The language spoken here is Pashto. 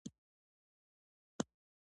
څنګه به پلي کېږي؟